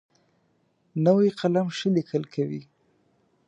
نوی قلم ښه لیکل کوي